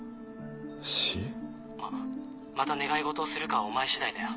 まぁまた願いごとをするかはお前次第だよ。